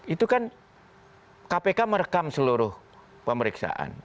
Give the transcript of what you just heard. itu kan kpk merekam seluruh pemeriksaan